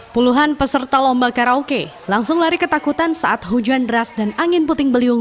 puluhan peserta lomba karaoke langsung lari ketakutan saat hujan deras dan angin puting beliung